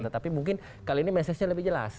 tetapi mungkin kali ini mesejnya lebih jelas